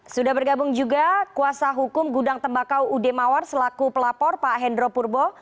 sudah bergabung juga kuasa hukum gudang tembakau ude mawar selaku pelapor pak hendro purbo